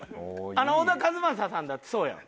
あの小田和正さんだってそうやん。